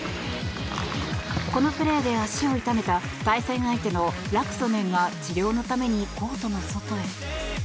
このプレーで足を痛めた対戦相手のラクソネンが治療のためにコートの外へ。